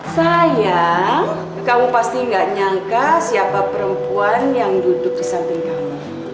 saya kamu pasti nggak nyangka siapa perempuan yang duduk di samping kamu